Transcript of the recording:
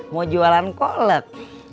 mau jualan kolet